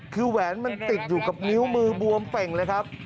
คือแหวนมันติดอยู่กับนิ้วมือบวมเป่งเลยครับ